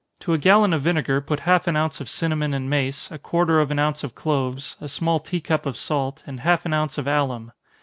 To a gallon of vinegar put half an ounce of cinnamon and mace, a quarter of an ounce of cloves, a small tea cup of salt, and half an ounce of alum.